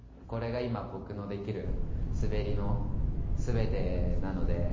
これが今、僕のできる滑りのすべてなので。